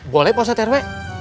boleh pak ustaz t r w